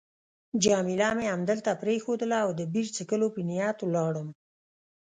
جميله مې همدلته پرېښووله او د بیر څښلو په نیت ولاړم.